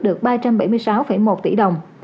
được ba trăm bảy mươi sáu một tỷ đồng